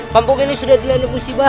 kampung ini sudah dilalui musibah